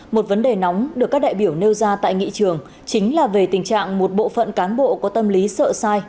một vấn đề nóng được các đại biểu nêu ra tại nghị trường chính là về tình trạng một bộ phận cán bộ có tâm lý sợ sai